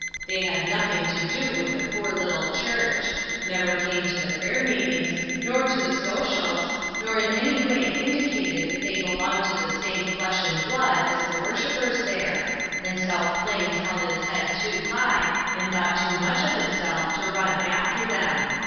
They had noth ing to do with the poor little church ; never came to the prayer meetings, nor to the socials, nor in any way indicated that they belonged to the same flesh and blood as the worshipers there, and South Plains held its head too high and thought too much of itself to run after them.